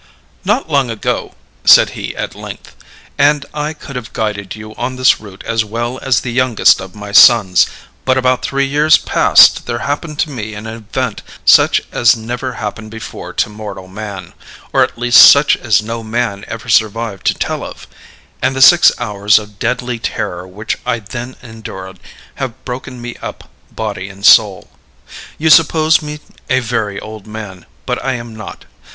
"Not long ago," said he at length, "and I could have guided you on this route as well as the youngest of my sons; but about three years past there happened to me an event such as never happened before to mortal man or at least such as no man ever survived to tell of and the six hours of deadly terror which I then endured have broken me up body and soul. "You suppose me a very old man, but I am not.